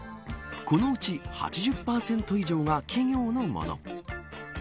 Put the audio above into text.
このうち８０％以上が企業のもの。